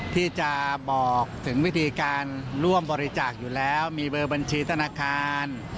ที่จะบอกถึงวิธีการร่วมบริจาคอยู่แล้วมีเบอร์บัญชีธนาคาร